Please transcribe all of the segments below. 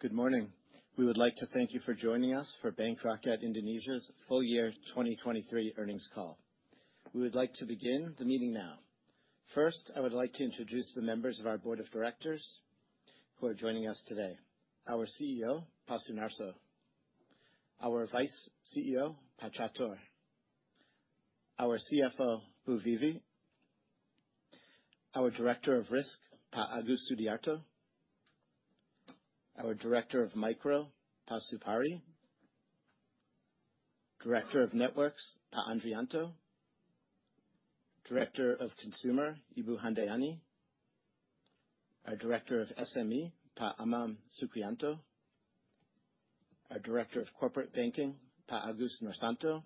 Good morning. We would like to thank you for joining us for Bank Rakyat Indonesia's full year 2023 earnings call. We would like to begin the meeting now. First, I would like to introduce the members of our Board of Directors who are joining us today. Our CEO, Pak Sunarso, our Vice CEO, Pak Catur, our CFO, Bu Vivi, our Director of Risk, Pak Agus Sudiarto, our Director of Micro, Pak Supari, Director of Networks, Pak Andrijanto, Director of Consumer, Ibu Handayani, our Director of SME, Pak Amam Sukriyanto, our Director of Corporate Banking, Pak Agus Noorsanto,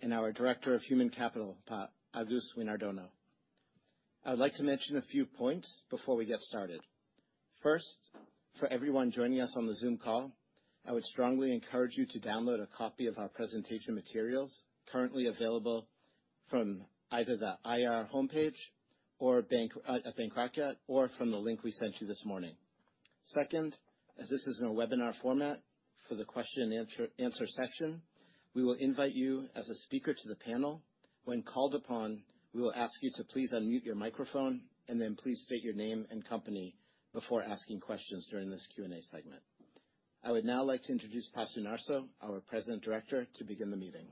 and our Director of Human Capital, Pak Agus Winardono. I would like to mention a few points before we get started. First, for everyone joining us on the Zoom call, I would strongly encourage you to download a copy of our presentation materials currently available from either the IR homepage or bank, at Bank Rakyat, or from the link we sent you this morning. Second, as this is in a webinar format, for the question and answer section, we will invite you as a speaker to the panel. When called upon, we will ask you to please unmute your microphone, and then please state your name and company before asking questions during this Q&A segment. I would now like to introduce Pak, our President Director, to begin the meeting.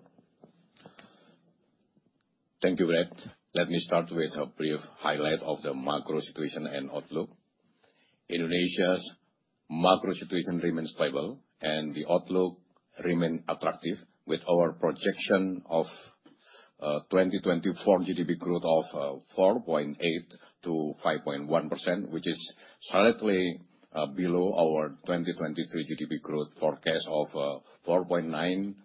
Thank you, Bret. Let me start with a brief highlight of the macro situation and outlook. Indonesia's macro situation remains stable, and the outlook remain attractive, with our projection of 2024 GDP growth of 4.8%-5.1%, which is slightly below our 2023 GDP growth forecast of 4.9%-5.2%.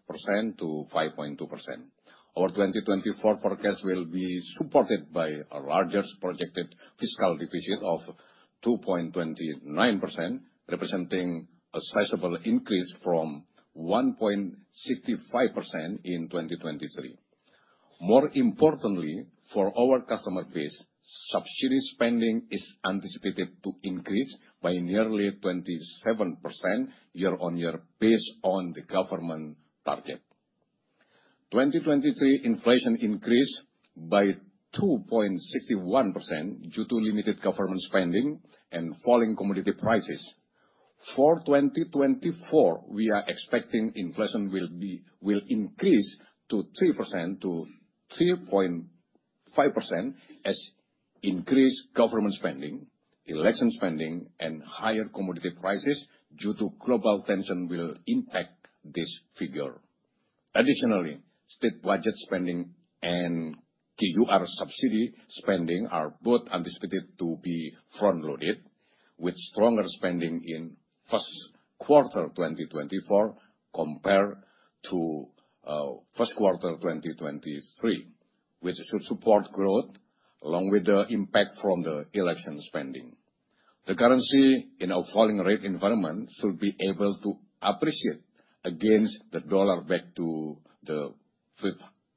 Our 2024 forecast will be supported by a larger projected fiscal deficit of 2.29%, representing a sizable increase from 1.65% in 2023. More importantly, for our customer base, subsidy spending is anticipated to increase by nearly 27% year-on-year, based on the government target. 2023 inflation increased by 2.61% due to limited government spending and falling commodity prices. For 2024, we are expecting inflation will increase to 3%-3.5%, as increased government spending, election spending, and higher commodity prices due to global tension will impact this figure. Additionally, state budget spending and KUR subsidy spending are both anticipated to be front-loaded, with stronger spending in first quarter 2024, compared to first quarter 2023, which should support growth along with the impact from the election spending. The currency in a falling rate environment should be able to appreciate against the US dollar back to the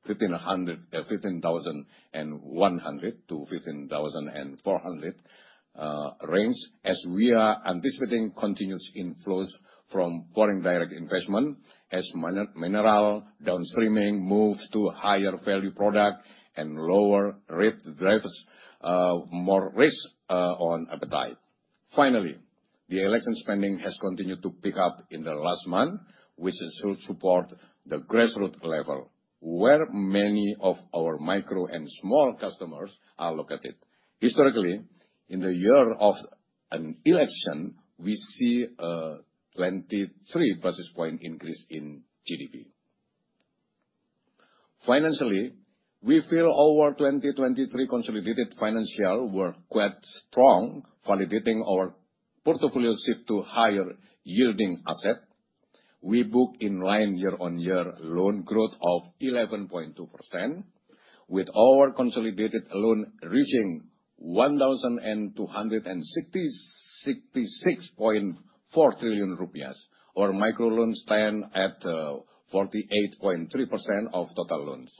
15,100-15,400 range, as we are anticipating continuous inflows from foreign direct investment, as mineral downstreaming moves to higher value product and lower rate drives more risk-on appetite. Finally, the election spending has continued to pick up in the last month, which should support the grassroots level, where many of our micro and small customers are located. Historically, in the year of an election, we see a 23 basis point increase in GDP. Financially, we feel our 2023 consolidated financial were quite strong, validating our portfolio shift to higher yielding asset. We book in-line year-on-year loan growth of 11.2%, with our consolidated loan reaching 1,266.4 trillion rupiah, or micro loans stand at 48.3% of total loans.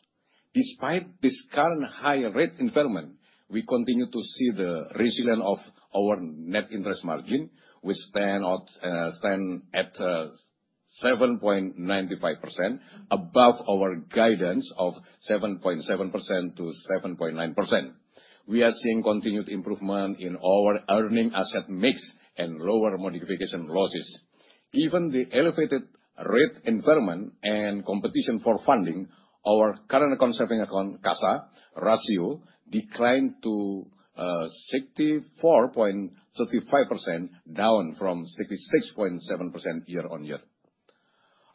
Despite this current high rate environment, we continue to see the resilience of our net interest margin, which stand at 7.95%, above our guidance of 7.7%-7.9%. We are seeing continued improvement in our earning asset mix and lower modification losses. Given the elevated rate environment and competition for funding, our current and savings account (CASA) ratio, declined to 64.35%, down from 66.7% year-on-year.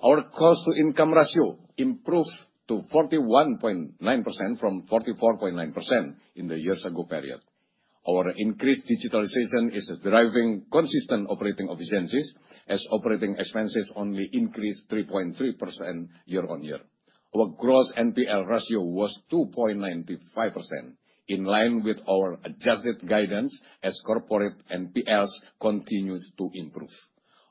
Our cost to income ratio improved to 41.9% from 44.9% in the year ago period. Our increased digitalization is deriving consistent operating efficiencies, as operating expenses only increased 3.3% year-on-year. Our gross NPL ratio was 2.95%, in line with our adjusted guidance as corporate NPLs continue to improve.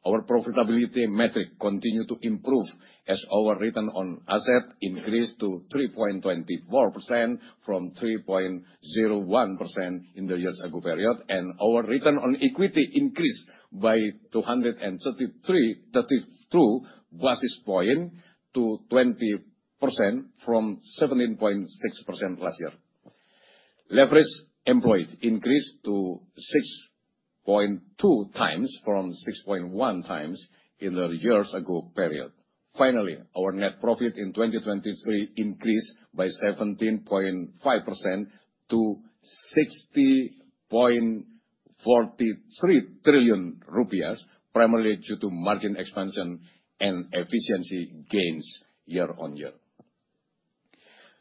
Our profitability metrics continue to improve as our return on assets increased to 3.24% from 3.01% in the year-ago period, and our return on equity increased by 232 basis points to 20% from 17.6% last year. Leverage employed increased to 6.2x from 6.1x in the year-ago period. Finally, our net profit in 2023 increased by 17.5% to IDR 60.43 trillion, primarily due to margin expansion and efficiency gains year-on-year.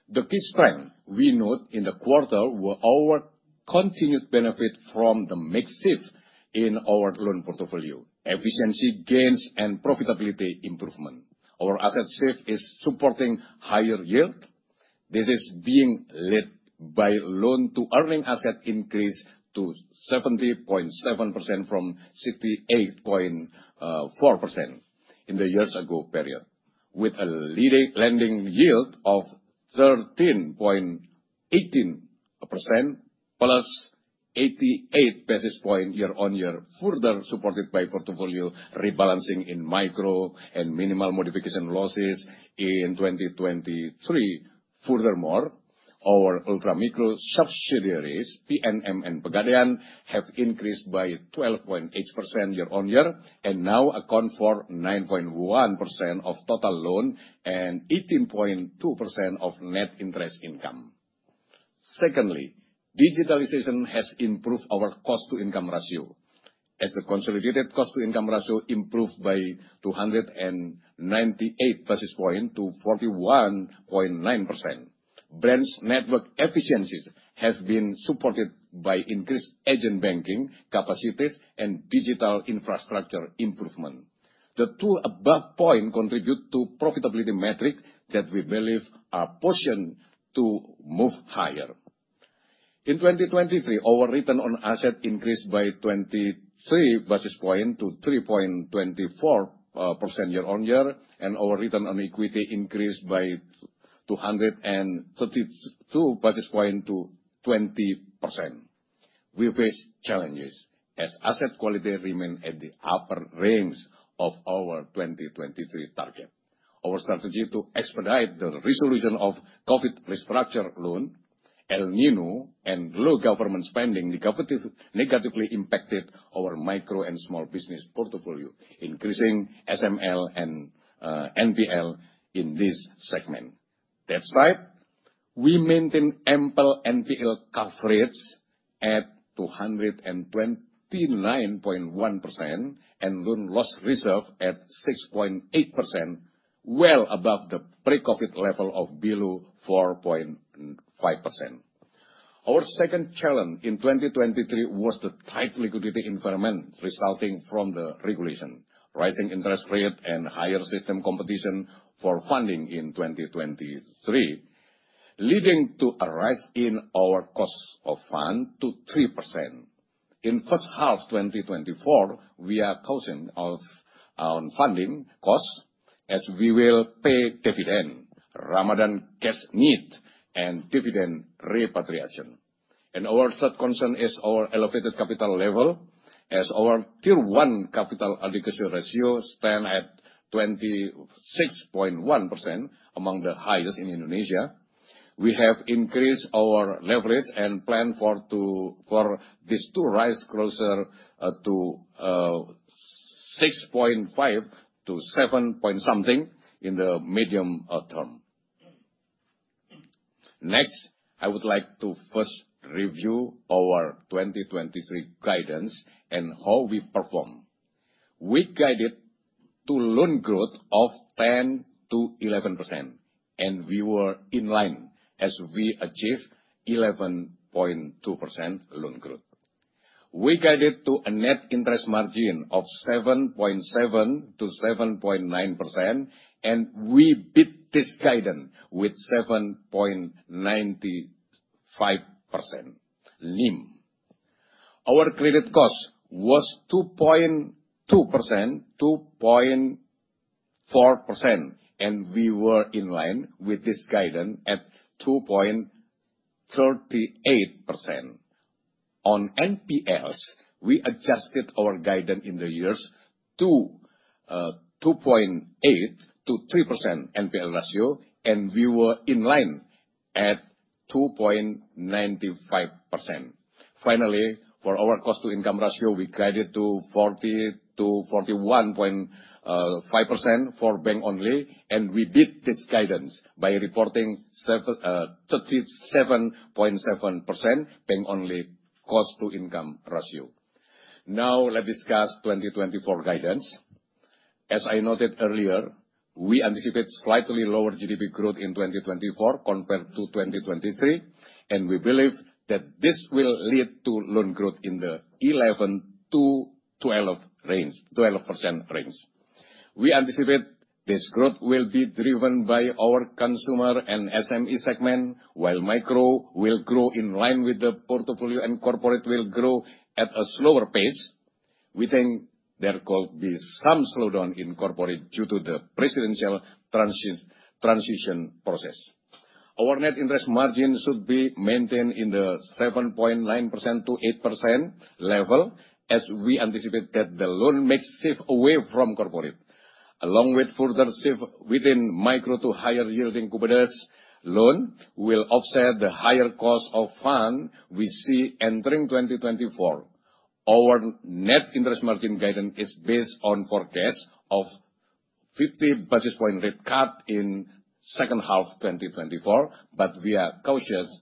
The key strengths we note in the quarter were our continued benefits from the mix shift in our loan portfolio, efficiency gains, and profitability improvement. Our asset shift is supporting higher yield. This is being led by loan to earning asset increase to 70.7% from 68.4% in the year-ago period, with a lending yield of 13.18%, +88 basis points year-on-year, further supported by portfolio rebalancing in micro and minimal modification losses in 2023. Furthermore, our ultra-micro subsidiaries, PNM and Pegadaian, have increased by 12.8% year-on-year and now account for 9.1% of total loan and 18.2% of net interest income. Secondly, digitalization has improved our cost-to-income ratio, as the consolidated cost-to-income ratio improved by 298 basis points to 41.9%. Branch network efficiencies have been supported by increased agent banking capacities and digital infrastructure improvement. The two above points contribute to profitability metric that we believe are positioned to move higher. In 2023, our return on asset increased by 23 basis points to 3.24% year-on-year, and our return on equity increased by 232 basis points to 20%. We face challenges as asset quality remain at the upper range of our 2023 target. Our strategy to expedite the resolution of COVID-restructure loan, El Niño, and low government spending negatively, negatively impacted our micro and small business portfolio, increasing SML and NPL in this segment. That said, we maintain ample NPL coverage at 229.1% and loan loss reserve at 6.8%, well above the pre-COVID level of below 4.5%. Our second challenge in 2023 was the tight liquidity environment resulting from the regulation, rising interest rate, and higher system competition for funding in 2023, leading to a rise in our cost of fund to 3%. In first half 2024, we are caution of our funding costs, as we will pay dividend, Ramadan cash need, and dividend repatriation. Our third concern is our elevated capital level, as our Tier I capital adequacy ratio stand at 26.1%, among the highest in Indonesia. We have increased our leverage and plan for this to rise closer to 6.5x to 7 point something in the medium term. Next, I would like to first review our 2023 guidance and how we perform. We guided to loan growth of 10%-11%, and we were in line as we achieved 11.2% loan growth. We guided to a net interest margin of 7.7%-7.9%, and we beat this guidance with 7.95% NIM. Our credit cost was 2.2%-2.4%, and we were in line with this guidance at 2.38%. On NPLs, we adjusted our guidance in the years to 2.8%-3% NPL ratio, and we were in line at 2.95%. Finally, for our cost-to-income ratio, we guided to 40%-41.5% for bank only, and we beat this guidance by reporting 37.7% bank only cost-to-income ratio. Now, let's discuss 2024 guidance. As I noted earlier, we anticipate slightly lower GDP growth in 2024 compared to 2023, and we believe that this will lead to loan growth in the 11%-12% range. We anticipate this growth will be driven by our consumer and SME segment, while micro will grow in line with the portfolio, and corporate will grow at a slower pace. We think there could be some slowdown in corporate due to the presidential transition process. Our net interest margin should be maintained in the 7.9%-8% level, as we anticipate that the loan mix shift away from corporate, along with further shift within micro to higher yielding Kupedes loan, will offset the higher cost of fund we see entering 2024. Our net interest margin guidance is based on forecast of 50 basis point rate cut in second half 2024, but we are cautious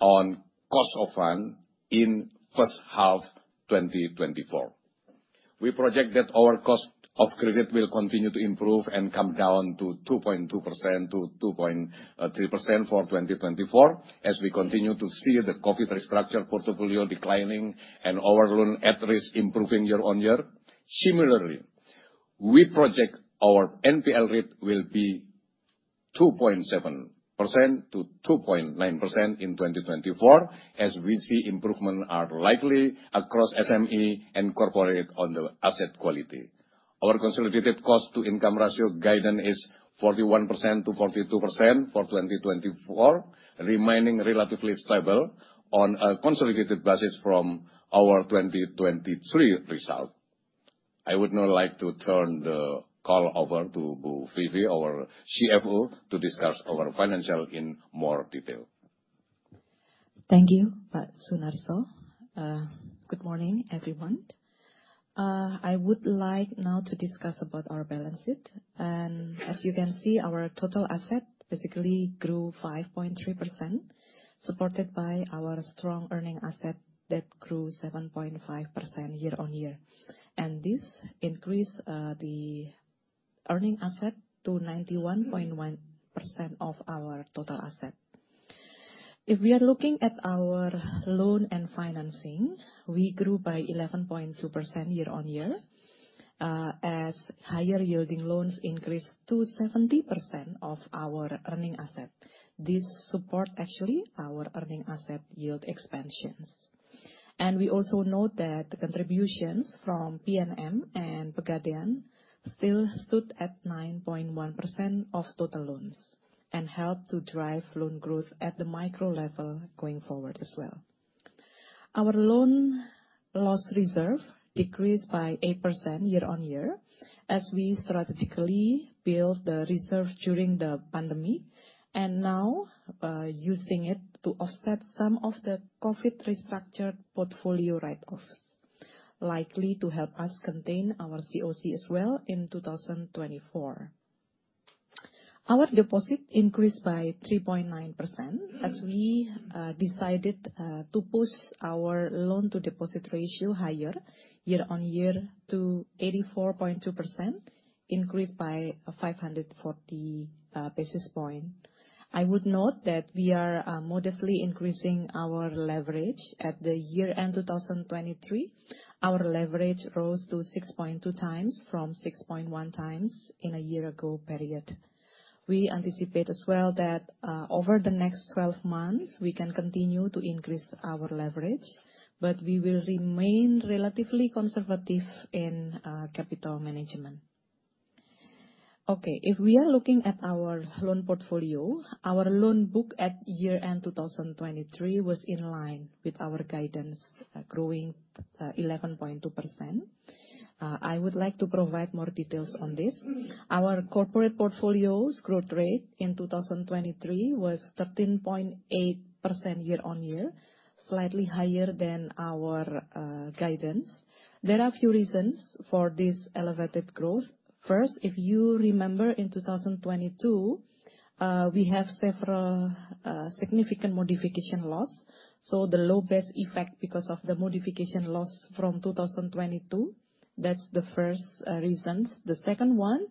on cost of fund in first half 2024. We project that our cost of credit will continue to improve and come down to 2.2%-2.3% for 2024, as we continue to see the COVID-restructure portfolio declining and our loan at risk improving year-on-year. Similarly, we project our NPL rate will be 2.7%-2.9% in 2024, as we see improvement are likely across SME and corporate on the asset quality. Our consolidated cost-to-income ratio guidance is 41%-42% for 2024, remaining relatively stable on a consolidated basis from our 2023 result. I would now like to turn the call over to Bu Vivi, our CFO, to discuss our financials in more detail. Thank you, Pak Sunarso. Good morning, everyone. I would like now to discuss about our balance sheet. And as you can see, our total asset basically grew 5.3%, supported by our strong earning asset that grew 7.5% year-on-year. And this increased the earning asset to 91.1% of our total asset. If we are looking at our loan and financing, we grew by 11.2% year-on-year, as higher yielding loans increased to 70% of our earning asset. This support actually our earning asset yield expansions. And we also note that the contributions from PNM and Pegadaian still stood at 9.1% of total loans, and helped to drive loan growth at the micro level going forward as well. Our loan loss reserve decreased by 8% year-on-year, as we strategically built the reserve during the pandemic, and now, using it to offset some of the COVID restructure portfolio write-offs, likely to help us contain our COC as well in 2024. Our deposit increased by 3.9% as we decided to push our loan-to-deposit ratio higher year-on-year to 84.2%, increased by 540 basis points. I would note that we are modestly increasing our leverage. At the year-end 2023, our leverage rose to 6.2x from 6.1x in a year ago period. We anticipate as well that over the next 12 months, we can continue to increase our leverage, but we will remain relatively conservative in capital management. Okay, if we are looking at our loan portfolio, our loan book at year-end 2023 was in line with our guidance, growing 11.2%. I would like to provide more details on this. Our corporate portfolio's growth rate in 2023 was 13.8% year-on-year, slightly higher than our guidance. There are a few reasons for this elevated growth. First, if you remember, in 2022, we have several significant modification loss, so the low base effect because of the modification loss from 2022, that's the first reasons. The second one,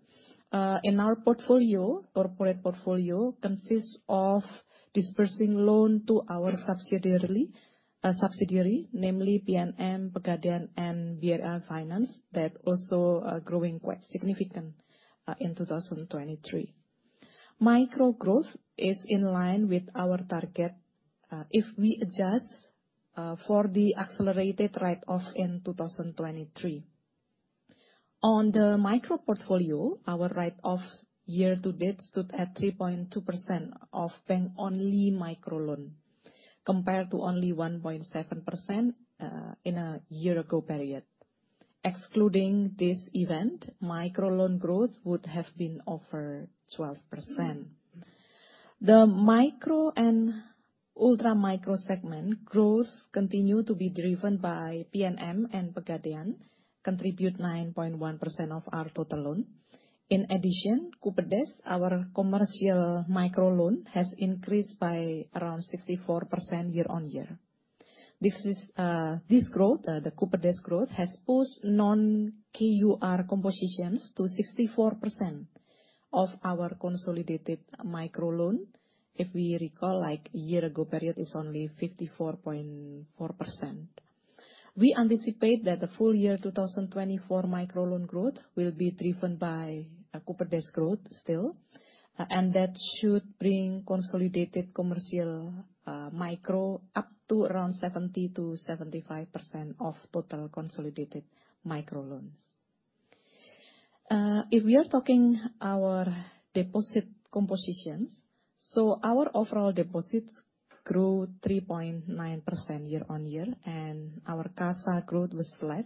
in our portfolio, corporate portfolio, consists of disbursing loans to our subsidiaries, namely PNM, Pegadaian, and BRI Finance, that also are growing quite significant in 2023. Micro growth is in line with our target, if we adjust for the accelerated write-off in 2023. On the micro portfolio, our write-off year-to-date stood at 3.2% of bank-only micro loan, compared to only 1.7%, in a year-ago period. Excluding this event, micro loan growth would have been over 12%. The micro and ultra-micro segment growth continue to be driven by PNM and Pegadaian, contribute 9.1% of our total loan. In addition, Kupedes, our commercial micro loan, has increased by around 64% year-on-year. This is, this growth, the Kupedes growth, has pushed non-KUR compositions to 64% of our consolidated micro loan. If we recall, like year-ago period is only 54.4%. We anticipate that the full year 2024 micro loan growth will be driven by Kupedes growth still, and that should bring consolidated commercial micro up to around 70%-75% of total consolidated micro loans. If we are talking our deposit compositions, so our overall deposits grew 3.9% year-on-year, and our CASA growth was flat.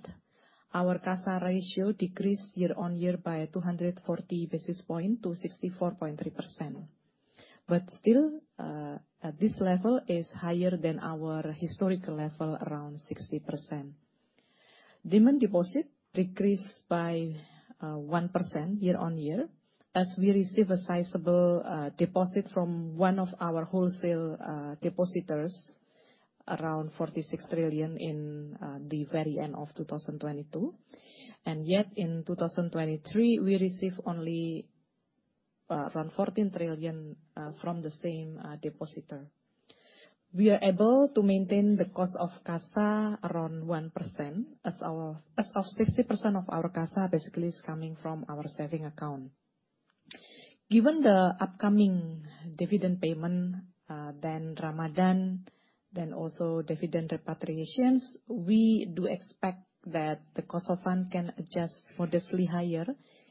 Our CASA ratio decreased year-on-year by 240 basis points to 64.3%. But still, at this level is higher than our historical level, around 60%. Demand deposit decreased by 1% year-on-year, as we receive a sizable deposit from one of our wholesale depositors, around 46 trillion in the very end of 2022. And yet, in 2023, we received only around 14 trillion from the same depositor. We are able to maintain the cost of CASA around 1%, as 60% of our CASA basically is coming from our savings account. Given the upcoming dividend payment, then Ramadan, then also dividend repatriations, we do expect that the cost of fund can adjust modestly higher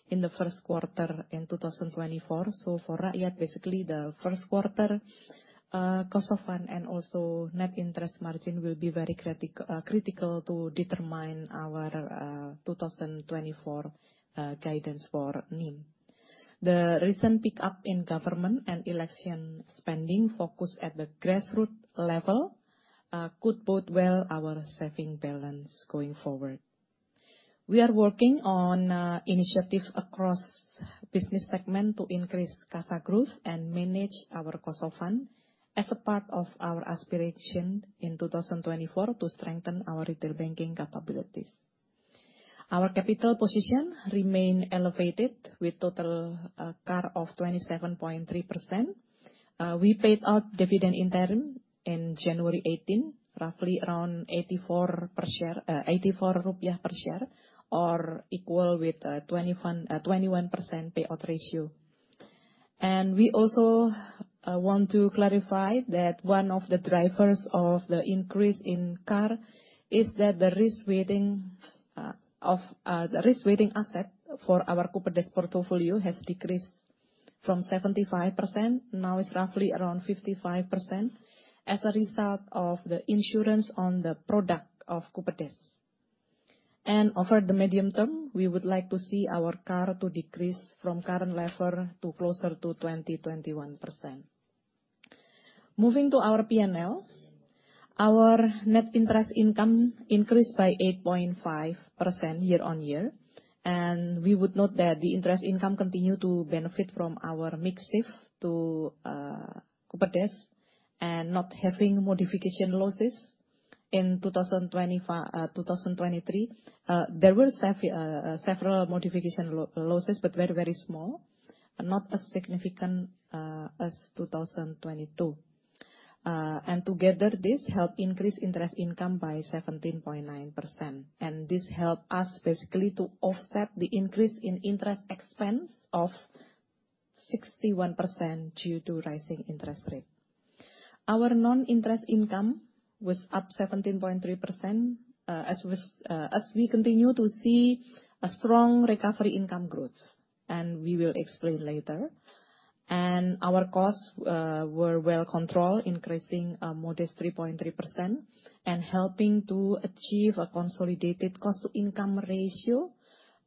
in the first quarter in 2024. So for Rakyat, basically, the first quarter, cost of fund and also net interest margin will be very critical to determine our 2024 guidance for NIM. The recent pick-up in government and election spending focus at the grassroots level could bode well our savings balance going forward. We are working on initiatives across business segment to increase CASA growth and manage our cost of fund as a part of our aspiration in 2024 to strengthen our retail banking capabilities. Our capital position remain elevated, with total CAR of 27.3%. We paid out dividend interim in January 18, roughly around 84 per share, 84 rupiah per share, or equal with 21% payout ratio. And we also want to clarify that one of the drivers of the increase in CAR is that the risk weighting of the risk-weighted assets for our Kupedes portfolio has decreased from 75%, now it's roughly around 55%, as a result of the insurance on the product of Kupedes. And over the medium term, we would like to see our CAR to decrease from current level to closer to 20%-21%. Moving to our P&L, our net interest income increased by 8.5% year-on-year, and we would note that the interest income continue to benefit from our mix shift to Kupedes, and not having modification losses in 2023. There were several modification losses, but very, very small, and not as significant as 2022. And together, this helped increase interest income by 17.9%, and this helped us basically to offset the increase in interest expense of 61% due to rising interest rate. Our non-interest income was up 17.3%, as was, as we continue to see a strong recovery income growth, and we will explain later. And our costs were well controlled, increasing a modest 3.3%, and helping to achieve a consolidated cost-to-income ratio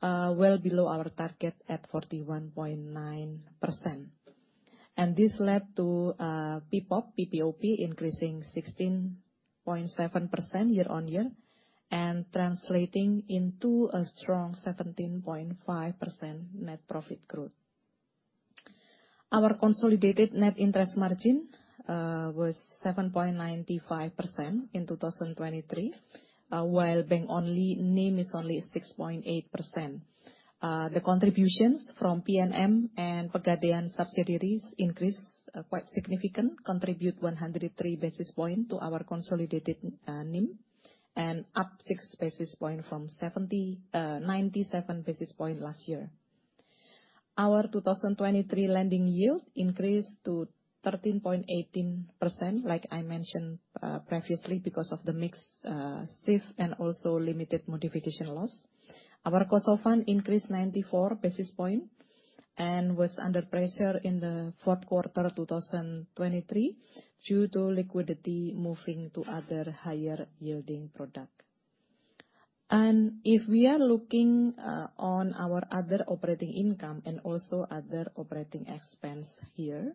well below our target at 41.9%. And this led to PPOP increasing 16.7% year-on-year and translating into a strong 17.5% net profit growth. Our consolidated net interest margin was 7.95% in 2023, while bank-only NIM is only 6.8%. The contributions from PNM and Pegadaian subsidiaries increased quite significant, contribute 103 basis point to our consolidated NIM, and up 6 basis point from 97 basis point last year. Our 2023 lending yield increased to 13.18%, like I mentioned previously, because of the mix shift and also limited modification loss. Our cost of fund increased 94 basis points and was under pressure in the fourth quarter 2023 due to liquidity moving to other higher-yielding product. If we are looking on our other operating income and also other operating expense here,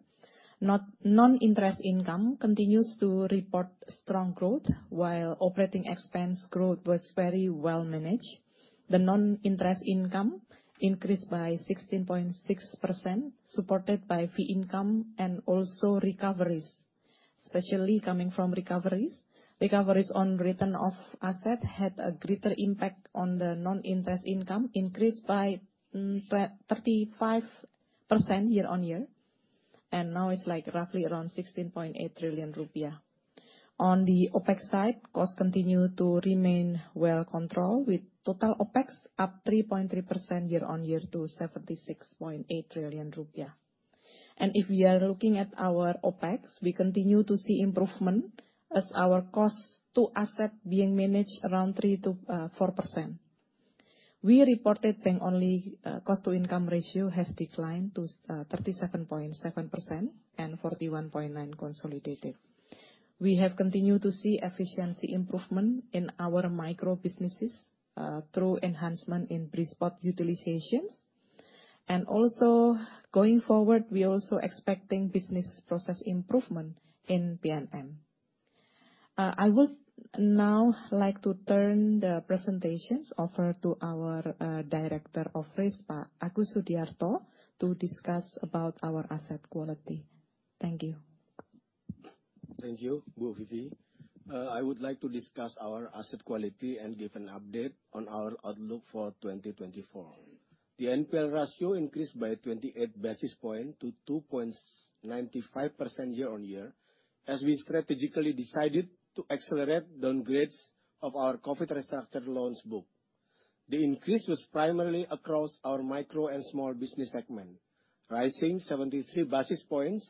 non-interest income continues to report strong growth, while operating expense growth was very well managed. The non-interest income increased by 16.6%, supported by fee income and also recoveries, especially coming from recoveries. Recoveries on return of assets had a greater impact on the non-interest income, increased by 35% year-on-year.... and now it's like roughly around 16.8 trillion rupiah. On the OpEx side, costs continue to remain well controlled, with total OpEx up 3.3% year-on-year to 76.8 trillion rupiah. And if we are looking at our OpEx, we continue to see improvement as our costs to asset being managed around 3%-4%. We reported bank-only cost-to-income ratio has declined to 37.7% and 41.9% consolidated. We have continued to see efficiency improvement in our micro businesses through enhancement in BRISPOT utilizations. And also going forward, we are also expecting business process improvement in PNM. I would now like to turn the presentations over to our Director of Risk, Pak Agus Sudiarto, to discuss about our asset quality. Thank you. Thank you, Bu Vivi. I would like to discuss our asset quality and give an update on our outlook for 2024. The NPL ratio increased by 28 basis points to 2.95% year-on-year, as we strategically decided to accelerate downgrades of our COVID restructured loans book. The increase was primarily across our micro and small business segment, rising 73 basis points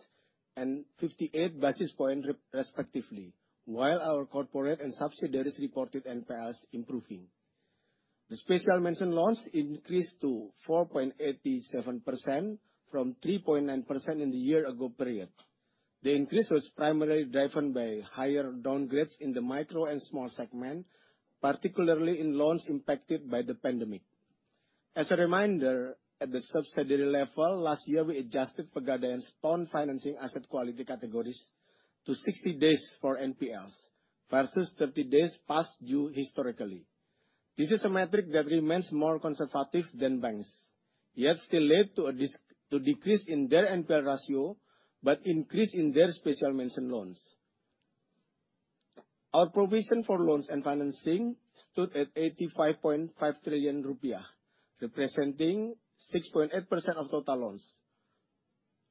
and 58 basis points respectively, while our corporate and subsidiaries reported NPLs improving. The Special Mention Loans increased to 4.87% from 3.9% in the year ago period. The increase was primarily driven by higher downgrades in the micro and small segment, particularly in loans impacted by the pandemic. As a reminder, at the subsidiary level, last year, we adjusted per guidance on financing asset quality categories to 60 days for NPLs, versus 30 days past due historically. This is a metric that remains more conservative than banks, yet still led to a decrease in their NPL ratio, but increase in their Special Mention Loans. Our provision for loans and financing stood at 85.5 trillion rupiah, representing 6.8% of total loans.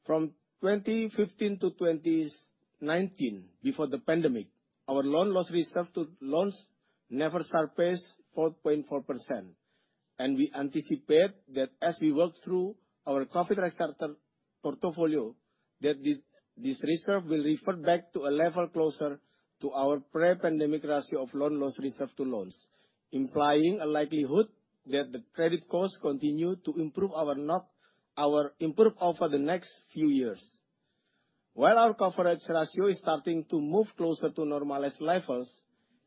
From 2015 to 2019, before the pandemic, our loan loss reserve to loans never surpassed 4.4%, and we anticipate that as we work through our COVID restructured portfolio, that this, this reserve will revert back to a level closer to our pre-pandemic ratio of loan loss reserve to loans, implying a likelihood that the credit costs continue to improve or not improve over the next few years. While our coverage ratio is starting to move closer to normalized levels,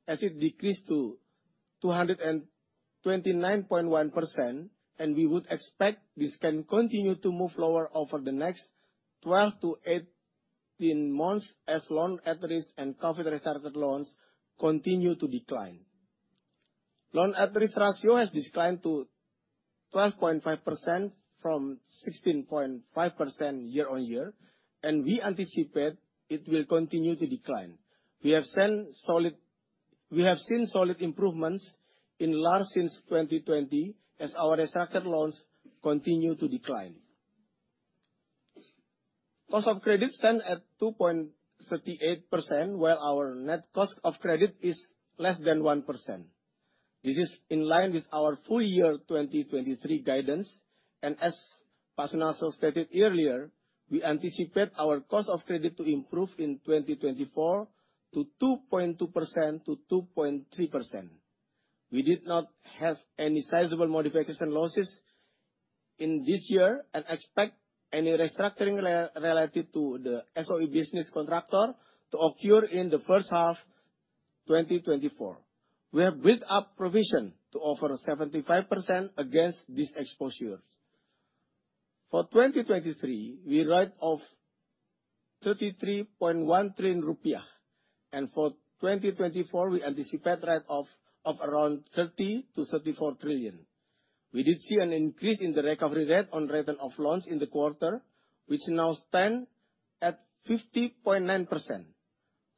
as it decreased to 229.1%, and we would expect this can continue to move lower over the next 12-18 months as loan at-risk and COVID restructured loans continue to decline. Loan at-risk ratio has declined to 12.5% from 16.5% year-on-year, and we anticipate it will continue to decline. We have seen solid improvements in large since 2020, as our restructured loans continue to decline. Cost of credit stands at 2.38%, while our net cost of credit is less than 1%. This is in line with our full year 2023 guidance, and as Pak Sunarso stated earlier, we anticipate our cost of credit to improve in 2024 to 2.2%-2.3%. We did not have any sizable modification losses in this year, and expect any restructuring related to the SOE business contractor to occur in the first half, 2024. We have built up provision to over 75% against this exposure. For 2023, we write off 33.1 trillion rupiah, and for 2024, we anticipate write off of around 30 trillion-34 trillion. We did see an increase in the recovery rate on return of loans in the quarter, which now stand at 50.9%,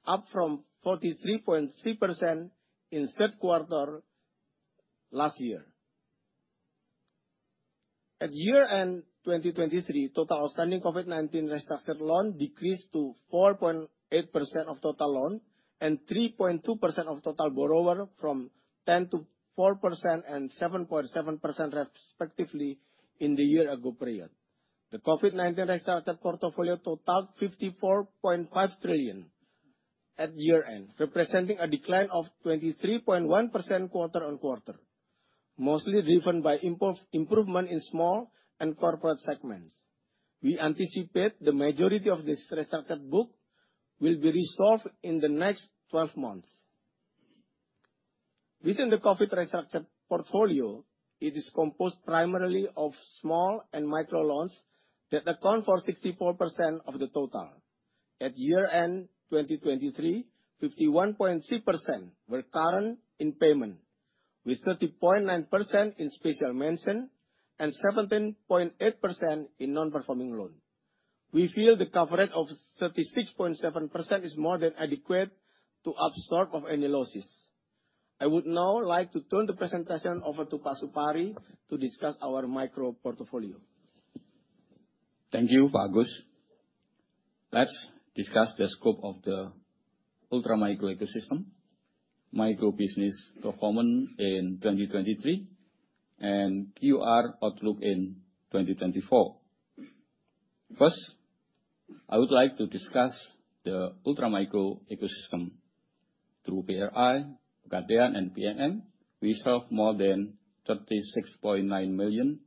up from 43.3% in third quarter last year. At year-end 2023, total outstanding COVID-19 restructured loan decreased to 4.8% of total loan and 3.2% of total borrower from 10.4% and 7.7%, respectively, in the year-ago period. The COVID-19 restructured portfolio totaled 54.5 trillion at year-end, representing a decline of 23.1% quarter-on-quarter, mostly driven by improvement in small and corporate segments. We anticipate the majority of this restructured book will be resolved in the next 12 months. Within the COVID restructured portfolio, it is composed primarily of small and micro loans that account for 64% of the total. At year-end 2023, 51.3% were current in payment, with 30.9% in special mention and 17.8% in non-performing loan. We feel the coverage of 36.7% is more than adequate to absorb of any losses. I would now like to turn the presentation over to Pak Supari to discuss our micro portfolio. Thank you, Pak Agus. Let's discuss the scope of the Ultra Micro Ecosystem, micro business performance in 2023, and our outlook in 2024. First, I would like to discuss the Ultra Micro Ecosystem. Through BRI, Pegadaian, and PNM, we serve more than 36.9 million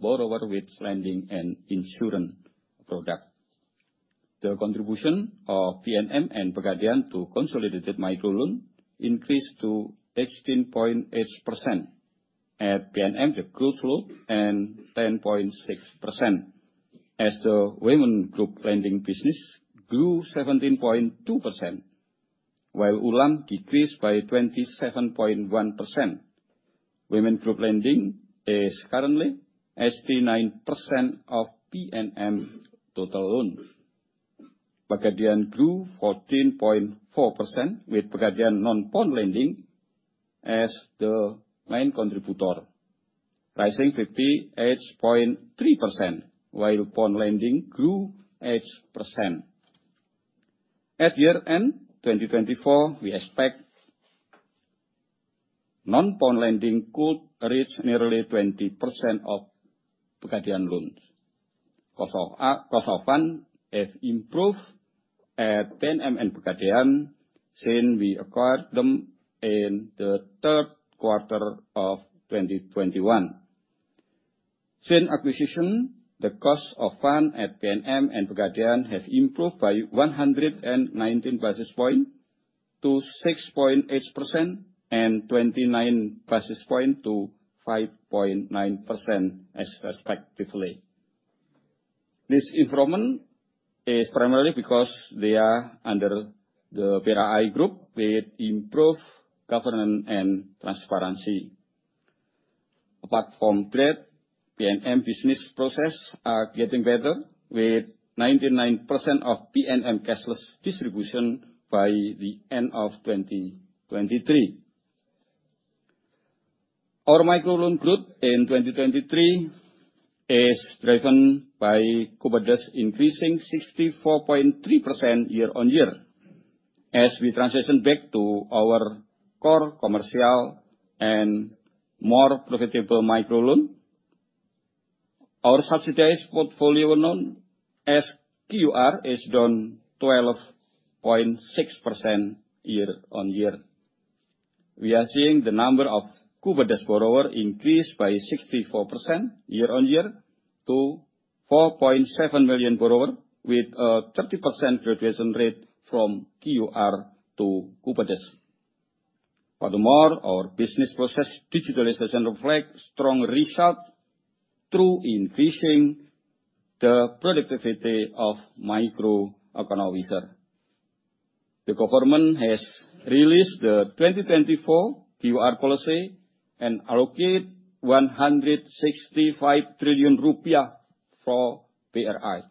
borrowers with lending and insurance products. The contribution of PNM and Pegadaian to consolidated micro loans increased to 18.8%. At PNM, the loan growth 10.6%, as the women group lending business grew 17.2%, while ULaMM decreased by 27.1%. Women group lending is currently 89% of PNM total loans. Pegadaian grew 14.4%, with Pegadaian non-pawn lending as the main contributor, rising 58.3%, while pawn lending grew 8%. At year-end, 2024, we expect non-pawn lending could reach nearly 20% of Pegadaian loans. Cost of, cost of funds have improved at PNM and Pegadaian since we acquired them in the third quarter of 2021. Since acquisition, the cost of funds at PNM and Pegadaian have improved by 119 basis points to 6.8%, and 29 basis points to 5.9% as respectively. This improvement is primarily because they are under the BRI group, with improved governance and transparency. Apart from that, PNM business process are getting better, with 99% of PNM cashless distribution by the end of 2023. Our micro loan growth in 2023 is driven by Kupedes, increasing 64.3% year-on-year. As we transition back to our core commercial and more profitable micro loan, our subsidized portfolio known as KUR is down 12.6% year-on-year. We are seeing the number of Kupedes borrowers increase by 64% year-on-year to 4.7 million borrowers, with a 30% graduation rate from KUR to Kupedes. Furthermore, our business process digitalization reflects strong results through increasing the productivity of micro officers. The government has released the 2024 KUR policy and allocate 165 trillion rupiah for BRI.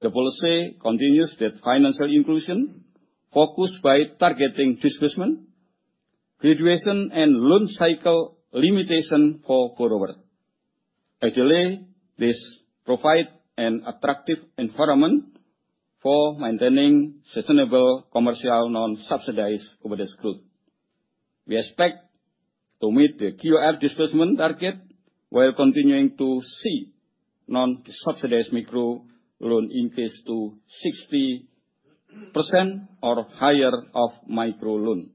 The policy continues that financial inclusion focused by targeting disbursement, graduation, and loan cycle limitation for borrowers. Actually, this provide an attractive environment for maintaining sustainable commercial non-subsidized Kupedes growth. We expect to meet the KUR disbursement target while continuing to see non-subsidized micro loan increase to 60% or higher of micro loan.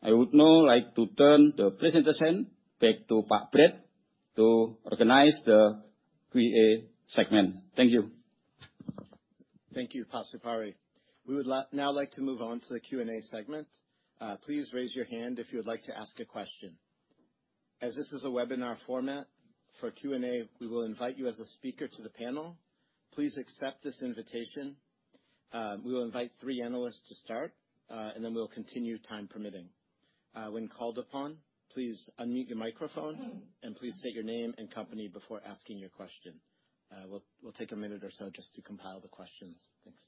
I would now like to turn the presentation back to Pak Bret to organize the Q&A segment. Thank you. Thank you, Pak Supari. We would now like to move on to the Q&A segment. Please raise your hand if you would like to ask a question. As this is a webinar format, for Q&A, we will invite you as a speaker to the panel. Please accept this invitation. We will invite three analysts to start, and then we'll continue, time permitting. When called upon, please unmute your microphone, and please state your name and company before asking your question. We'll take a minute or so just to compile the questions. Thanks.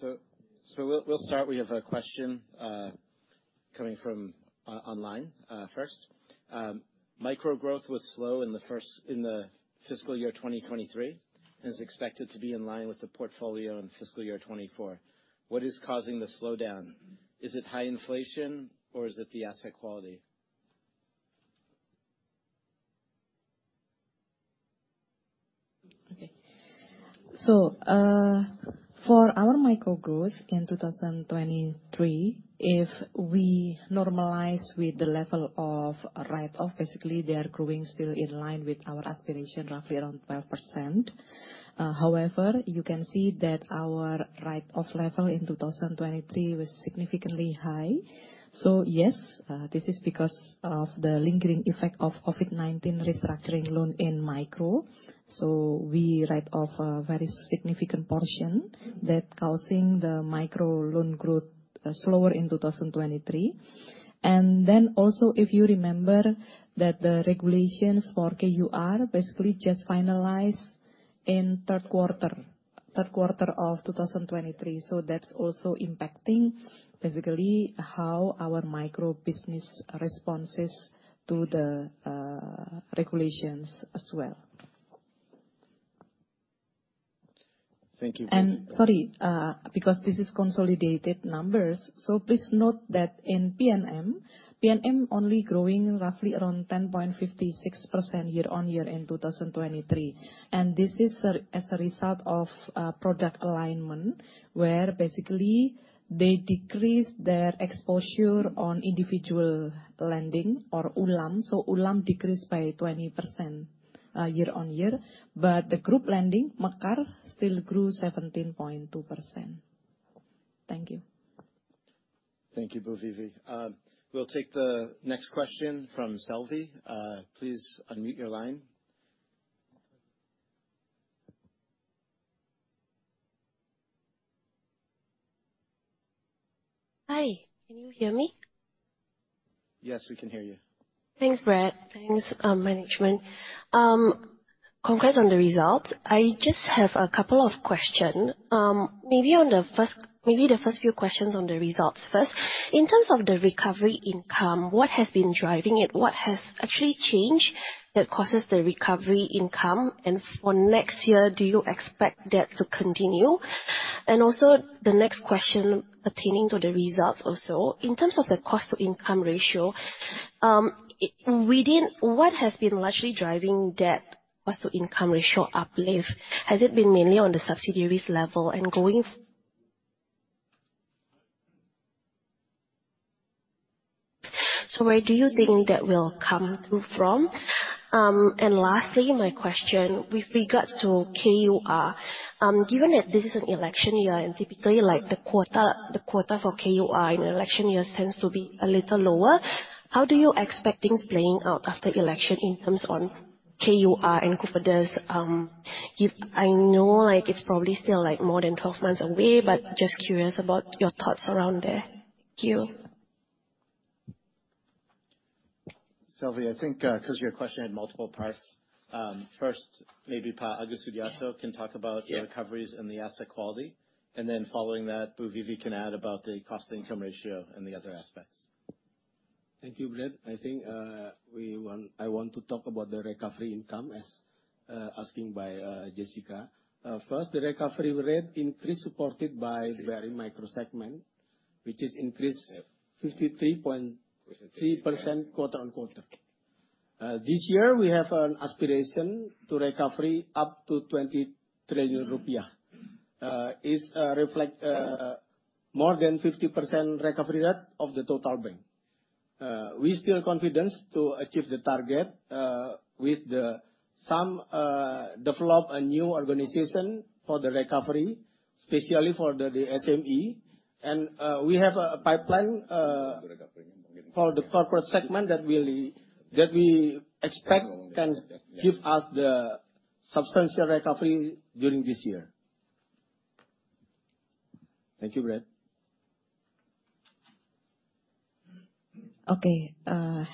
So we'll start. We have a question coming from online first. Micro growth was slower first in the fiscal year 2023, and is expected to be in line with the portfolio in fiscal year 2024. What is causing the slowdown? Is it high inflation or is it the asset quality? Okay. So, for our micro growth in 2023, if we normalize with the level of write-off, basically, they are growing still in line with our aspiration, roughly around 12%. However, you can see that our write-off level in 2023 was significantly high. So yes, this is because of the lingering effect of COVID-19 restructuring loan in micro. So we write off a very significant portion that causing the micro loan growth, slower in 2023. And then also, if you remember, that the regulations for KUR basically just finalized in third quarter, third quarter of 2023, so that's also impacting, basically, how our micro business responses to the regulations as well. Thank you, Bu Vivi. And sorry, because this is consolidated numbers, so please note that in PNM, PNM only growing roughly around 10.56% year-on-year in 2023, and this is, as a result of, product alignment, where basically they decrease their exposure on individual lending or ULaMM. So ULaMM decreased by 20% year-on-year, but the group lending, Mekaar, still grew 17.2%. Thank you. Thank you, Bu Vivi. We'll take the next question from Selvie. Please unmute your line. Hi, can you hear me? Yes, we can hear you. Thanks, Bret. Thanks, management. Congrats on the results. I just have a couple of question. Maybe the first few questions on the results first. In terms of the recovery income, what has been driving it? What has actually changed that causes the recovery income? And for next year, do you expect that to continue? And also, the next question pertaining to the results also, in terms of the cost-to-income ratio, within, what has been largely driving that cost-to-income ratio uplift? Has it been mainly on the subsidiaries level and going? So where do you think that will come through from? And lastly, my question with regards to KUR, given that this is an election year, and typically, like, the quota, the quota for KUR in election years tends to be a little lower, how do you expect things playing out after election in terms of KUR and Kupedes? If... I know, like, it's probably still, like, more than 12 months away, but just curious about your thoughts around there. Thank you. Selvie, I think, because your question had multiple parts, first, maybe Pak Agus Sudiarto can talk about the recoveries Yeah... and the asset quality. And then following that, Bu Vivi can add about the cost-to-income ratio and the other aspects. Thank you, Bret. I think, I want to talk about the recovery income, as asking by Selvie. First, the recovery rate increased, supported by Ultra Micro segment, which increased 53.3% quarter-on-quarter. This year, we have an aspiration to recovery up to 20 trillion rupiah. It reflects more than 50% recovery rate of the total bank. We feel confident to achieve the target with the some develop a new organization for the recovery, especially for the SME. We have a pipeline for the corporate segment that we expect can give us the substantial recovery during this year. Thank you, Bret. Okay.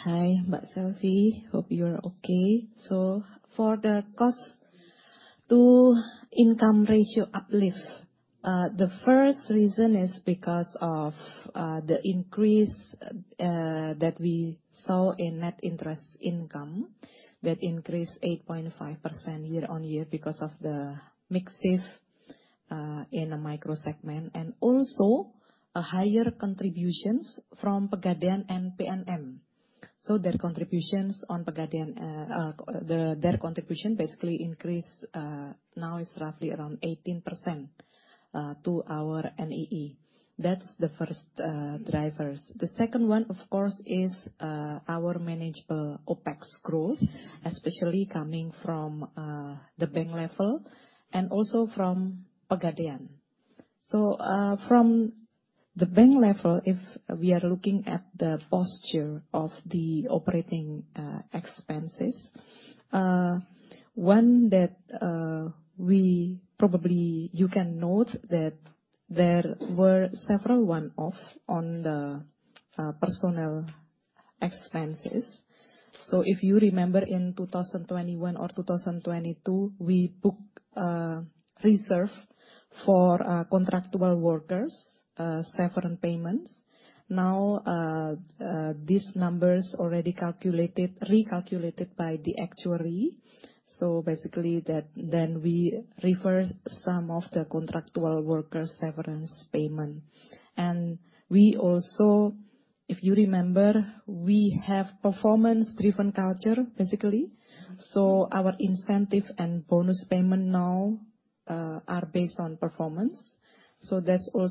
Hi, Mbak Selvie. Hope you are okay. So for the cost-to-income ratio uplift, the first reason is because of the increase that we saw in net interest income. That increased 8.5% year-on-year because of the mix shift in the micro segment, and also higher contributions from Pegadaian and PNM. So their contributions on Pegadaian, their contribution basically increased, now it's roughly around 18% to our NAE. That's the first drivers. The second one, of course, is our manageable OpEx growth, especially coming from the bank level and also from Pegadaian. So, from the bank level, if we are looking at the posture of the operating expenses, one that we probably... You can note that there were several one-off on the personnel expenses. So if you remember, in 2021 or 2022, we booked a reserve for contractual workers severance payments. Now, these numbers already calculated, recalculated by the actuary. So basically that, then we reverse some of the contractual workers' severance payment. And we also, if you remember, we have performance-driven culture, basically. So our incentive and bonus payment now, are based on performance. So that's why,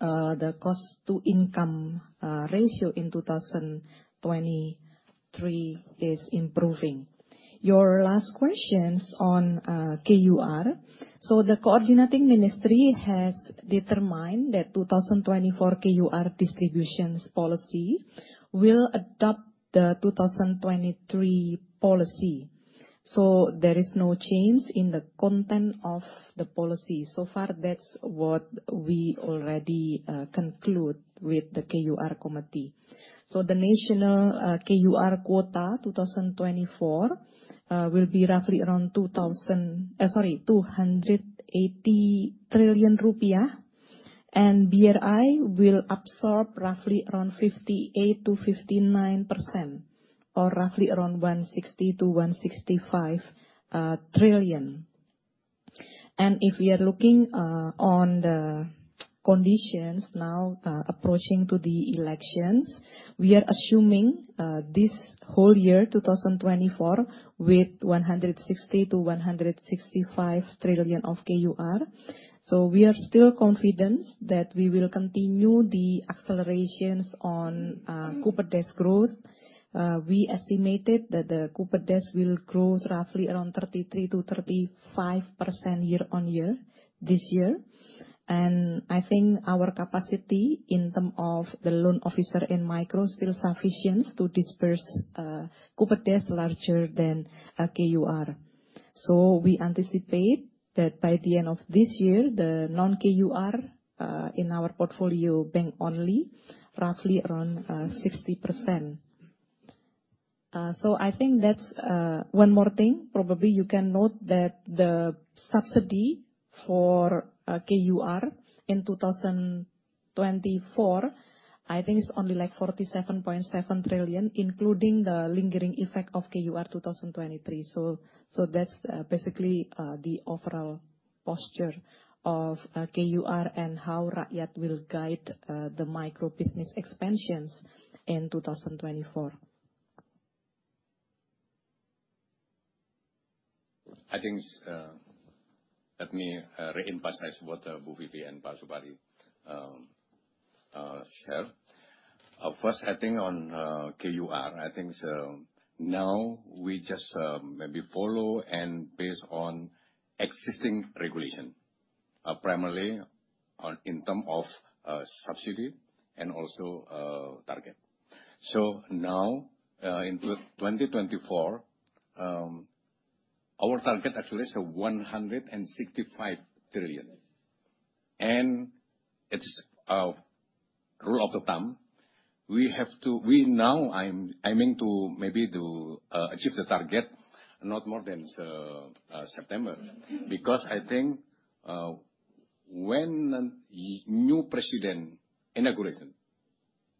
the cost-to-income ratio in 2023 is improving. Your last questions on KUR. So the coordinating ministry has determined that 2024 KUR distributions policy will adopt the 2023 policy. So there is no change in the content of the policy. So far, that's what we already conclude with the KUR committee. The national KUR quota 2024 will be roughly around 280 trillion rupiah, and BRI will absorb roughly around 58%-59%, or roughly around 160 trillion-165 trillion. And if we are looking on the conditions now approaching to the elections, we are assuming this whole year 2024 with 160 trillion-165 trillion of KUR. So we are still confident that we will continue the accelerations on Kupedes growth. We estimated that the Kupedes will grow roughly around 33%-35% year-on-year, this year. And I think our capacity in term of the loan officer in micro still sufficient to disburse Kupedes larger than KUR. So we anticipate that by the end of this year, the non-KUR in our portfolio bank only, roughly around 60%. So I think that's... One more thing, probably you can note that the subsidy for KUR in 2024, I think it's only, like, 47.7 trillion, including the lingering effect of KUR 2023. So, so that's basically the overall posture of KUR and how Rakyat will guide the micro business expansions in 2024. I think, let me, reemphasize what, Bu Vivi and Pak Supari, shared. First, I think on, KUR, I think, so now we just, maybe follow and based on existing regulation, primarily on, in terms of, subsidy and also, target. So now, in 2024, our target actually is 165 trillion. And it's a rule of thumb, we have to- we now, I'm, aiming to maybe to, achieve the target, not more than, September. Because I think, when new president inauguration,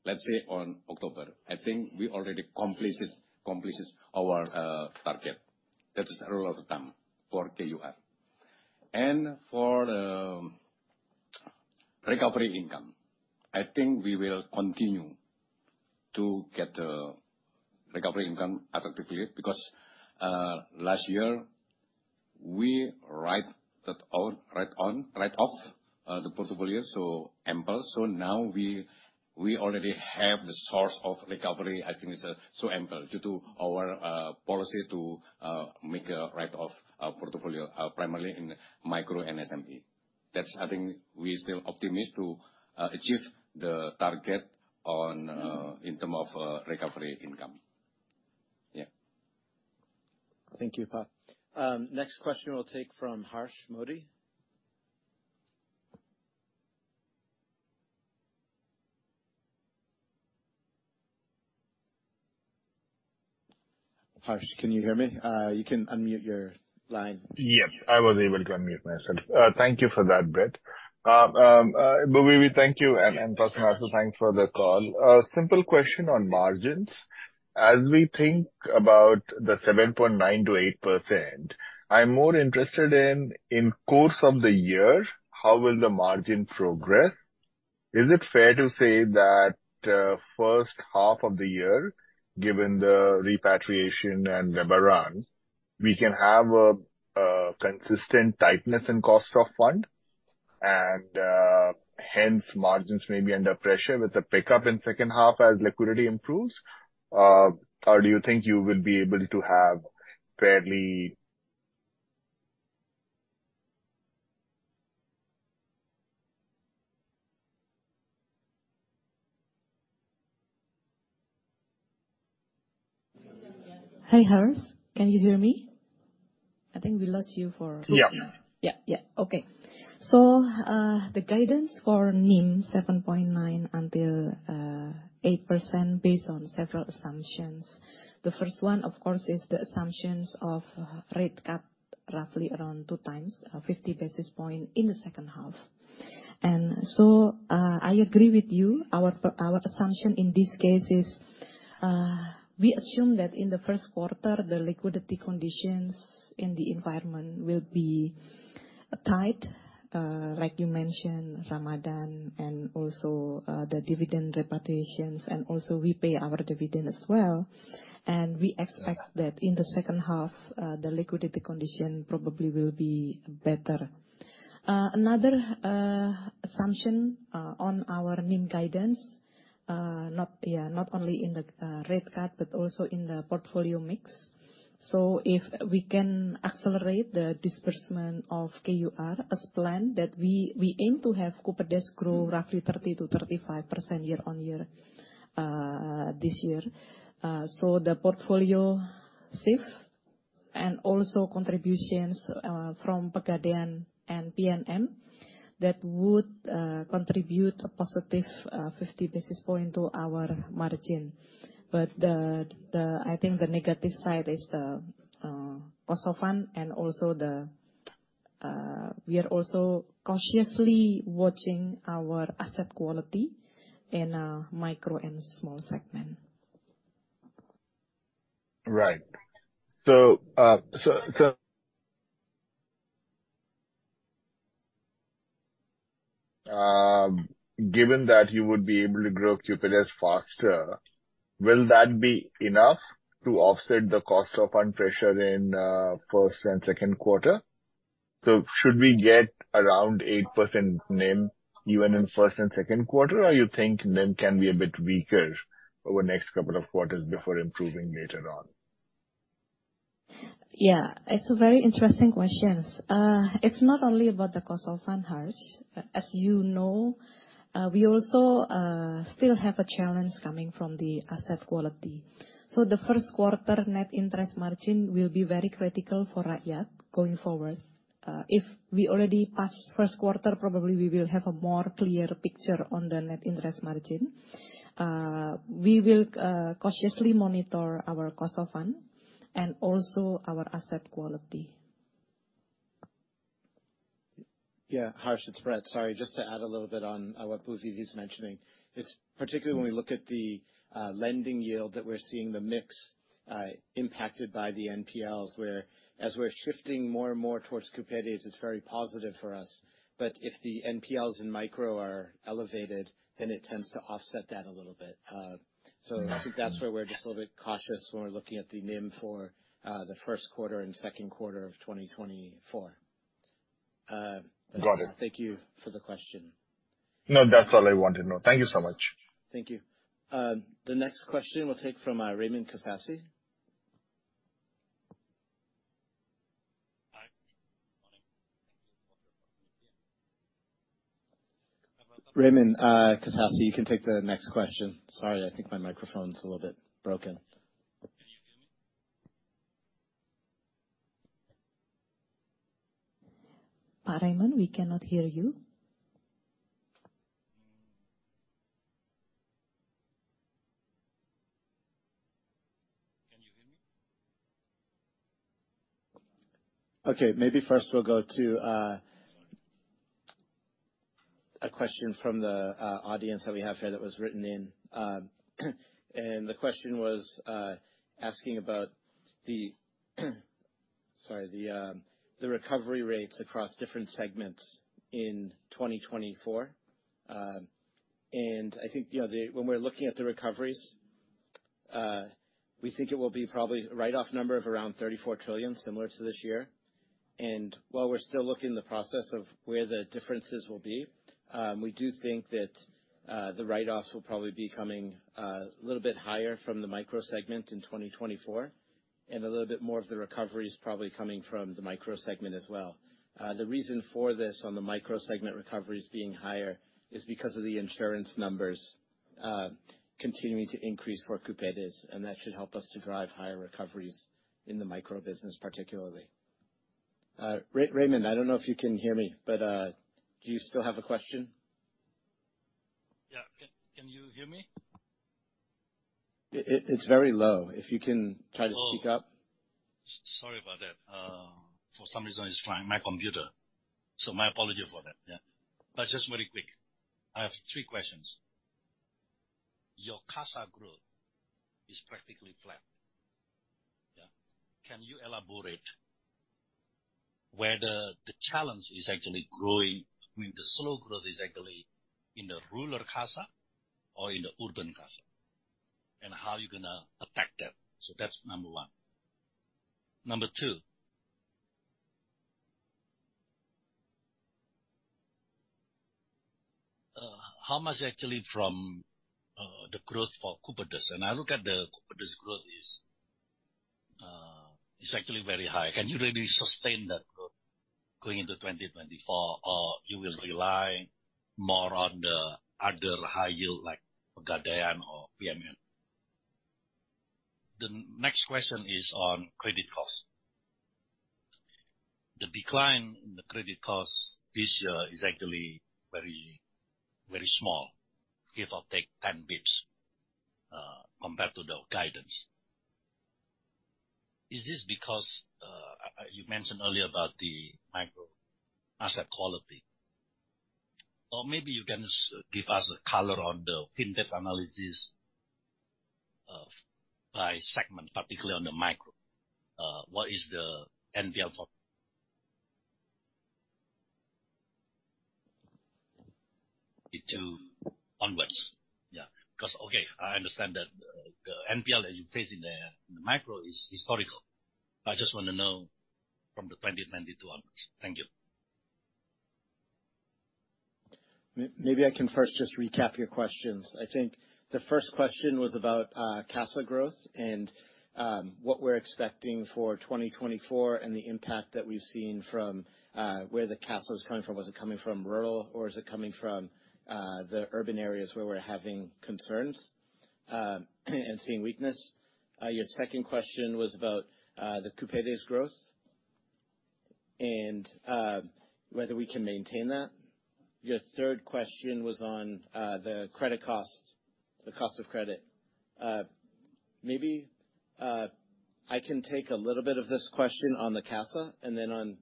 let's say on October, I think we already completes it, completes our, target. That is a rule of thumb for KUR. For the recovery income, I think we will continue to get the recovery income effectively, because, last year, we write that off, right on, write off, the portfolio, so ample. So now we already have the source of recovery, I think it's, so ample, due to our, policy to, make a write-off our portfolio, primarily in micro and SME. That's... I think we're still optimistic to, achieve the target on, in term of, recovery income. Yeah. Thank you, Pak. Next question we'll take from Harsh Modi. Harsh, can you hear me? You can unmute your line. Yes, I was able to unmute myself. Thank you for that, Bret. Bu Vivi, thank you, and, and Pak Sunarso, also thanks for the call. Simple question on margins. As we think about the 7.9%-8%, I'm more interested in, in course of the year, how will the margin progress? Is it fair to say that, first half of the year, given the repatriation and Lebaran, we can have a, a consistent tightness in cost of fund, and, hence, margins may be under pressure with a pickup in second half as liquidity improves? Or do you think you will be able to have fairly- Hi, Harsh. Can you hear me? I think we lost you for a few minutes. Yeah. Yeah, yeah. Okay. So, the guidance for NIM, 7.9%-8% based on several assumptions. The first one, of course, is the assumptions of rate cut roughly around 2x 50 basis points in the second half. And so, I agree with you. Our assumption in this case is we assume that in the first quarter, the liquidity conditions in the environment will be tight. Like you mentioned, Ramadan, and also the dividend repatriations, and also we pay our dividend as well. And we expect that in the second half, the liquidity condition probably will be better. Another assumption on our NIM guidance, not only in the rate cut, but also in the portfolio mix. So if we can accelerate the disbursement of KUR as planned, that we aim to have Kupedes grow roughly 30%-35% year-on-year this year. So the portfolio size and also contributions from Pegadaian and PNM that would contribute a positive 50 basis points to our margin. But the... I think the negative side is the cost of funds and also we are cautiously watching our asset quality in micro and small segment. Right. So, given that you would be able to grow corporate faster, will that be enough to offset the cost of funds pressure in first and second quarter? So should we get around 8% NIM, even in first and second quarter, or you think NIM can be a bit weaker over the next couple of quarters before improving later on? Yeah, it's a very interesting questions. It's not only about the cost of fund, Harsh. As you know, we also still have a challenge coming from the asset quality. So the first quarter net interest margin will be very critical for Rakyat going forward. If we already pass first quarter, probably we will have a more clear picture on the net interest margin. We will cautiously monitor our cost of fund and also our asset quality. Yeah, Harsh, it's Bret. Sorry, just to add a little bit on what Bu Vivi is mentioning. It's particularly when we look at the lending yield, that we're seeing the mix impacted by the NPLs, whereas we're shifting more and more towards corporates, it's very positive for us. But if the NPLs in micro are elevated, then it tends to offset that a little bit. So I think that's where we're just a little bit cautious when we're looking at the NIM for the first quarter and second quarter of 2024. Got it. Thank you for the question. No, that's all I wanted to know. Thank you so much. Thank you. The next question we'll take from Raymond Kosasih. Hi. Morning. Thank you. Raymond Kosasih, you can take the next question. Sorry, I think my microphone's a little bit broken. Can you hear me? Pak Raymond, we cannot hear you. Can you hear me? Okay, maybe first we'll go to a question from the audience that we have here that was written in. And the question was asking about the recovery rates across different segments in 2024. And I think, you know, when we're looking at the recoveries, we think it will be probably a write-off number of around 34 trillion, similar to this year. And while we're still looking in the process of where the differences will be, we do think that the write-offs will probably be coming a little bit higher from the micro segment in 2024, and a little bit more of the recoveries probably coming from the micro segment as well. The reason for this, on the micro segment recoveries being higher, is because of the insurance numbers, continuing to increase for Kupedes, and that should help us to drive higher recoveries in the micro business, particularly. Raymond, I don't know if you can hear me, but, do you still have a question? Yeah. Can you hear me? It's very low. If you can try to speak up. Oh, sorry about that. For some reason, it's trying. My computer. So my apology for that. Yeah. But just very quick, I have three questions. Your CASA growth is practically flat. Yeah. Can you elaborate where the challenge is actually growing, I mean, the slow growth is actually in the rural CASA or in the urban CASA, and how are you gonna attack that? So that's number one. Number two, how much actually from the growth for corporate? And I look at the corporate growth is, it's actually very high. Can you really sustain that growth going into 2024, or you will rely more on the other high yield, like Pegadaian or PNM? The next question is on credit costs. The decline in the credit costs this year is actually very, very small, give or take 10 basis points compared to the guidance. Is this because you mentioned earlier about the micro asset quality? Or maybe you can give us a color on the vintage analysis by segment, particularly on the micro. What is the NPL for... 2020 onwards, yeah. Because, okay, I understand that the NPL that you face in the micro is historical, but I just want to know from 2020 onwards. Thank you. Maybe I can first just recap your questions. I think the first question was about CASA growth and what we're expecting for 2024, and the impact that we've seen from where the CASA is coming from. Was it coming from rural, or is it coming from the urban areas where we're having concerns and seeing weakness? Your second question was about the Kupedes growth and whether we can maintain that. Your third question was on the credit cost, the cost of credit. Maybe I can take a little bit of this question on the CASA, and then on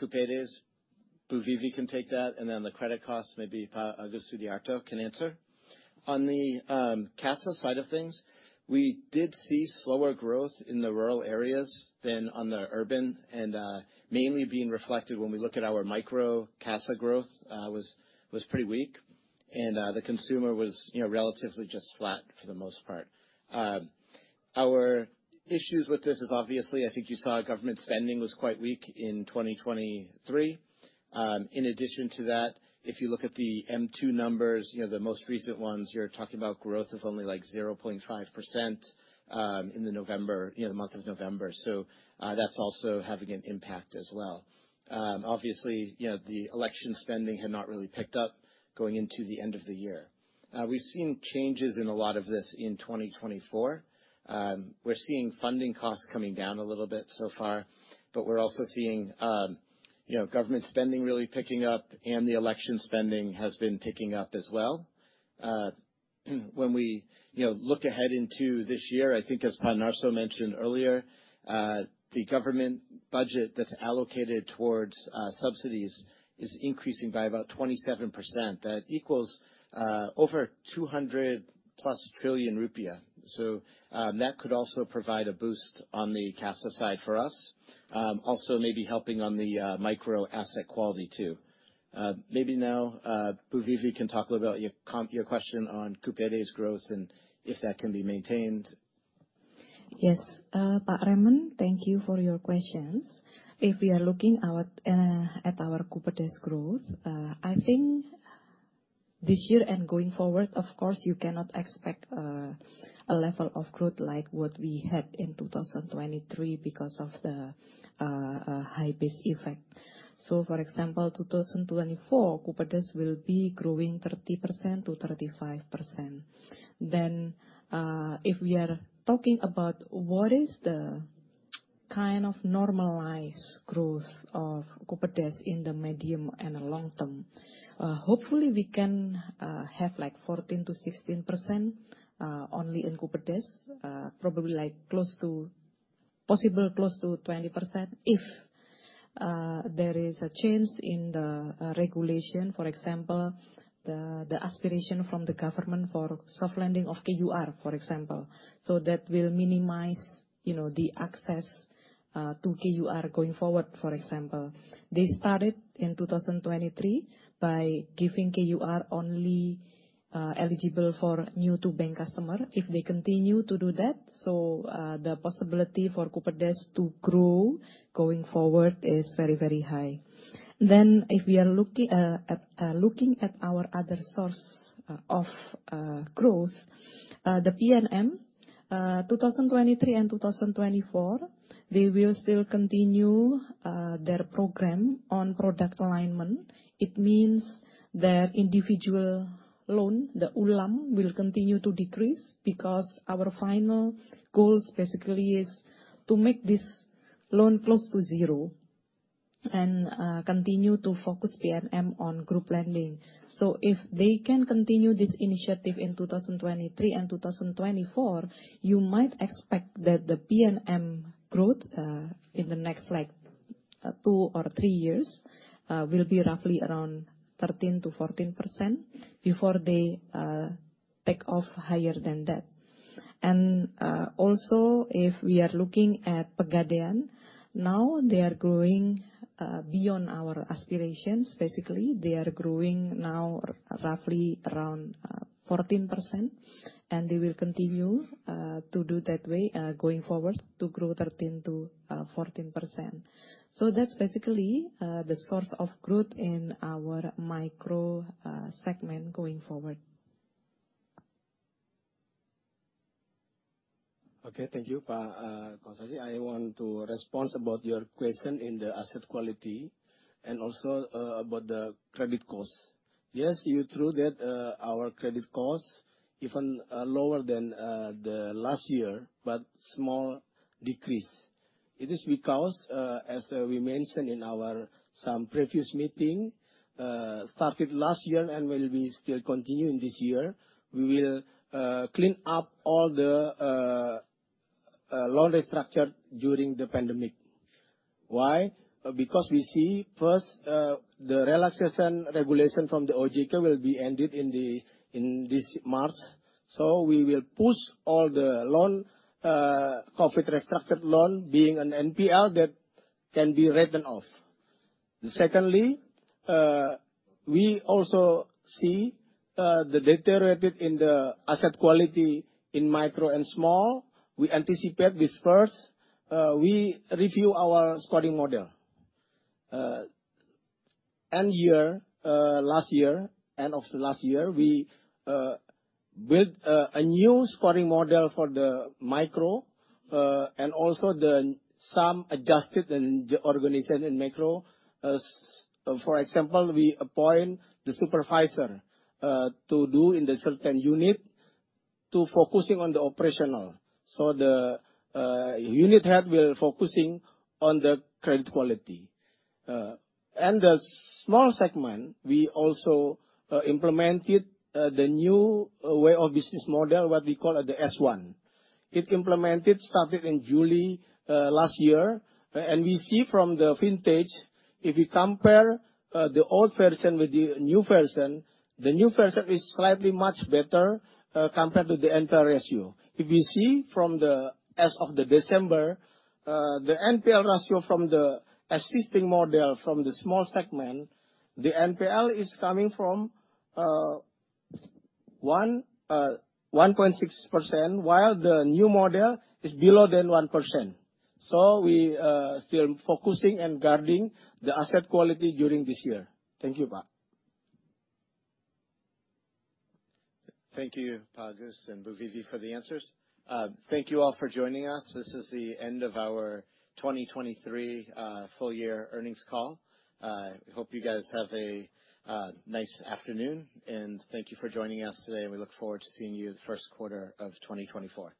Kupedes, Bu Vivi can take that, and then the credit cost, maybe Pak Agus Sudiarto can answer. On the CASA side of things, we did see slower growth in the rural areas than on the urban, and mainly being reflected when we look at our micro CASA growth, was pretty weak, and the consumer was, you know, relatively just flat for the most part. Our issues with this is, obviously, I think you saw government spending was quite weak in 2023. In addition to that, if you look at the M2 numbers, you know, the most recent ones, you're talking about growth of only, like, 0.5% in November, the month of November. So, that's also having an impact as well. Obviously, you know, the election spending had not really picked up going into the end of the year. We've seen changes in a lot of this in 2024. We're seeing funding costs coming down a little bit so far, but we're also seeing, you know, government spending really picking up, and the election spending has been picking up as well. When we, you know, look ahead into this year, I think as Pak Sunarso mentioned earlier, the government budget that's allocated towards subsidies is increasing by about 27%. That equals over 200+ trillion rupiah. So, that could also provide a boost on the CASA side for us, also maybe helping on the micro asset quality, too. Maybe now, Bu Vivi can talk a little about your question on Kupedes growth and if that can be maintained. Yes. Pak Raymond, thank you for your questions. If we are looking out at our Kupedes growth, I think this year and going forward, of course, you cannot expect a level of growth like what we had in 2023 because of the high base effect. So, for example, 2024, Kupedes will be growing 30%-35%. Then, if we are talking about what is the kind of normalized growth of Kupedes in the medium and long term, hopefully, we can have, like, 14%-16%, only in Kupedes, probably, like, close to... possible close to 20% if there is a change in the regulation. For example, the aspiration from the government for soft lending of KUR, for example. So that will minimize, you know, the access to KUR going forward, for example. They started in 2023 by giving KUR only eligible for new-to-bank customer. If they continue to do that, so, the possibility for Kupedes to grow going forward is very, very high. Then, if we are looking at looking at our other source of growth, the PNM, 2023 and 2024, they will still continue their program on product alignment. It means that individual loan, the ULaMM, will continue to decrease because our final goals, basically, is to make this loan close to zero and continue to focus PNM on group lending. So if they can continue this initiative in 2023 and 2024, you might expect that the PNM growth in the next, like, two or three years will be roughly around 13%-14% before they take off higher than that. And also, if we are looking at Pegadaian, now they are growing beyond our aspirations. Basically, they are growing now roughly around 14%, and they will continue to do that way going forward, to grow 13%-14%. So that's basically the source of growth in our micro segment going forward. Okay. Thank you, Pak Kosasih. I want to respond about your question in the asset quality and also, about the credit cost. Yes, you true that, our credit cost even, lower than, the last year, but small decrease. It is because, as we mentioned in our some previous meeting, started last year and will be still continuing this year, we will clean up all the loan restructure during the pandemic. Why? Because we see first, the relaxation regulation from the OJK will be ended in this March, so we will push all the loan COVID restructured loan being an NPL that can be written off. Secondly, we also see the deteriorated in the asset quality in micro and small. We anticipate this first, we review our scoring model. End year, last year, end of last year, we built a new scoring model for the micro, and also the some adjusted in the organization in micro. As, for example, we appoint the supervisor, to do in the certain unit to focusing on the operational. So the, unit head will focusing on the credit quality. And the small segment, we also, implemented, the new way of business model, what we call the S1. It implemented started in July, last year, and we see from the vintage, if you compare, the old version with the new version, the new version is slightly much better, compared to the NPL ratio. If you see from the as of the December, the NPL ratio from the existing model, from the small segment, the NPL is coming from, 1.6%, while the new model is below than 1%. So we, still focusing and guarding the asset quality during this year. Thank you, Pak. Thank you, Pak Agus and Bu Vivi, for the answers. Thank you all for joining us. This is the end of our 2023 full year earnings call. We hope you guys have a nice afternoon, and thank you for joining us today, and we look forward to seeing you the first quarter of 2024.